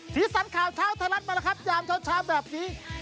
สีสันข่าวเช้าไทยรัฐมาแล้วครับยามเช้าแบบนี้